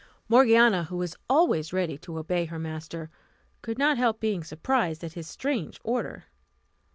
Morgiana, who was always ready to obey her master, could not help being surprised at his strange order.